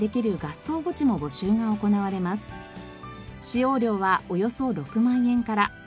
使用料はおよそ６万円から。